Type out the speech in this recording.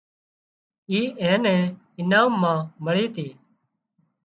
اي اين نين انعام مان مۯِي تي